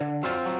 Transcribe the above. aku mau ke rumah